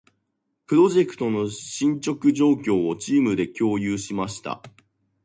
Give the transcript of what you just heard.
プロジェクトの進捗状況を、チームで共有しました。